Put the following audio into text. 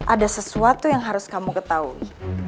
ada sesuatu yang harus kamu ketahui